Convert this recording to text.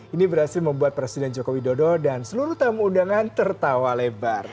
ini berhasil membuat presiden joko widodo dan seluruh tamu undangan tertawa lebar